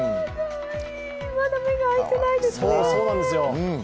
まだ目が開いてないですね。